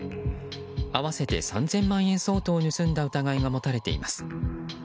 合わせて３０００万円相当を盗んだ疑いが持たれています。